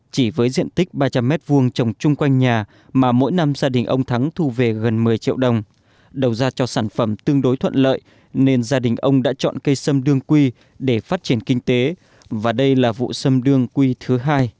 chỉ với diện tích ba trăm linh m hai trồng chung quanh nhà mà mỗi năm gia đình ông thắng thu về gần một mươi triệu đồng đầu ra cho sản phẩm tương đối thuận lợi nên gia đình ông đã chọn cây sâm đương quy để phát triển kinh tế và đây là vụ sâm đương quy thứ hai